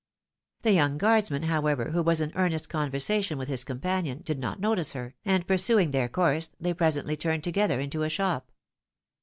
The young guardsman, however, who was in earnest conversation with his companion, did not notice her, and pursuing their course, they presently turned together into a shop.